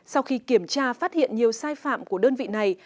sau khi kiểm tra phát hiện nhiều sai phạm của đơn vị này